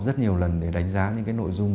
rất nhiều lần để đánh giá những cái nội dung